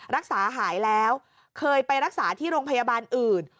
รักษาหายแล้วเคยไปรักษาที่โรงพยาบาลอื่น